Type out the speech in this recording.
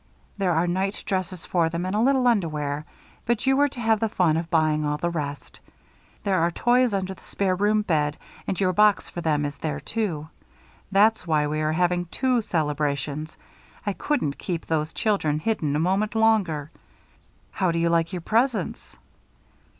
There are night dresses for them and a little underwear, but you are to have the fun of buying all the rest. There are toys under the spare room bed and your box for them is there too. That's why we are having two celebrations. I couldn't keep those children hidden a moment longer. How do you like your presents?"